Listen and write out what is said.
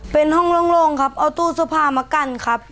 เป็นห้องโล่งครับเอาตู้เสื้อผ้ามากั้นครับ